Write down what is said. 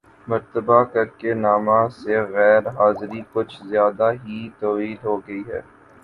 مرتبہ کرک نامہ سے غیر حاضری کچھ زیادہ ہی طویل ہوگئی ہے